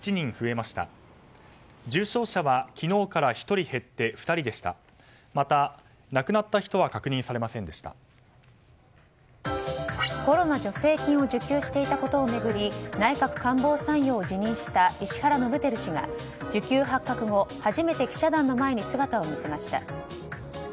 また亡くなった人はコロナ助成金を受給していたことを巡り内閣官房参与を辞任した石原伸晃氏が受給発覚後初めて記者団の前に姿を現しました。